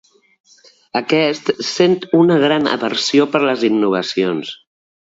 Aquest sent una gran aversió per les innovacions.